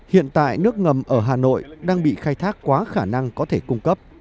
hiện tại nước ngầm ở hà nội đang bị khai thác quá khả năng có thể cung cấp